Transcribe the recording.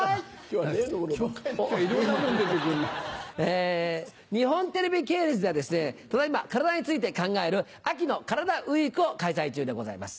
日本テレビ系列ではただ今体について考える秋の「カラダＷＥＥＫ」を開催中でございます。